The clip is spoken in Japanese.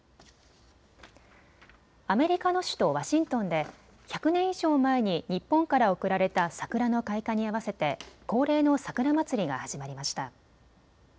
アメリカの首都ワシントンで１００年以上前に日本から贈られた桜の開花に合わせて恒例の桜祭りが始まりました。